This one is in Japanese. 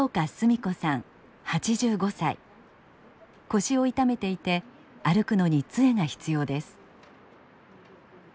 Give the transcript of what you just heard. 腰を痛めていて歩くのに杖が必要です。